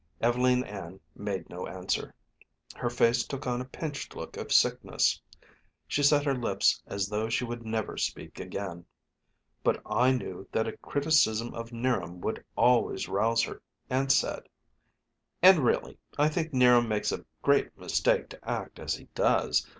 Ev'leen Ann made no answer. Her face took on a pinched look of sickness. She set her lips as though she would never speak again. But I knew that a criticism of 'Niram would always rouse her, and said: "And really, I think 'Niram makes a great mistake to act as he does.